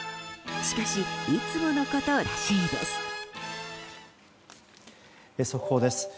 しかしいつものことらしいです。